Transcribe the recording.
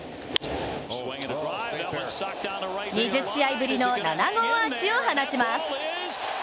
２０試合ぶりの７号アーチを放ちます。